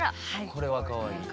これはかわいいね。